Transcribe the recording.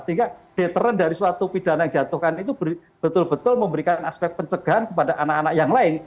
sehingga deteren dari suatu pidana yang dijatuhkan itu betul betul memberikan aspek pencegahan kepada anak anak yang lain